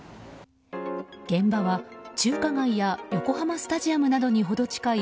現場は、中華街や横浜スタジアムなどに程近い